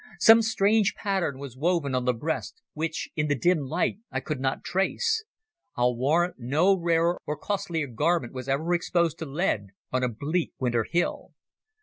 Some strange pattern was woven on the breast, which in the dim light I could not trace. I'll warrant no rarer or costlier garment was ever exposed to lead on a bleak winter hill.